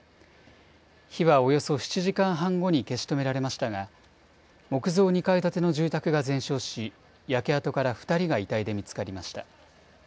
火はおよそ７時間半後に消し止められましたが木造２階建ての住宅が全焼し焼け跡から２人が遺体で見つかりました。